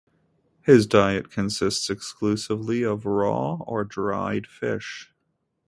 His diet consists exclusively of raw or dried fish.